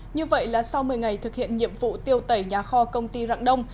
như vậy là sau một mươi ngày thực hiện nhiệm vụ tiêu tẩy nhà kho công ty rạng đông